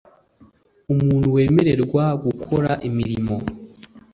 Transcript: umuntu wemererwa gukora imirimo